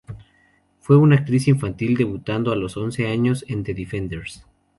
Fue una actriz infantil, debutando a los once años en "The Defenders".